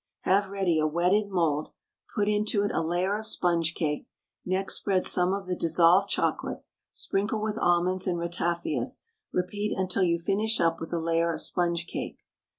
Have ready a wetted mould, put into it a layer of sponge cake, next spread some of the dissolved chocolate, sprinkle with almonds and ratafias, repeat until you finish with a layer of sponge cake.